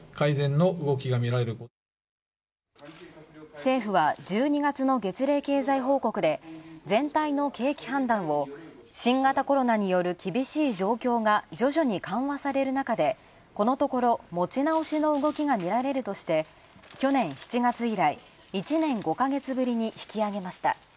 政府は１２月の月例経済報告で、全体の景気判断を新型コロナによる厳しい状況が徐々に緩和されるなかでこのところ、持ち直しの動きが見られるとして、去年７月以来、１年５カ月ぶりに引き上げました。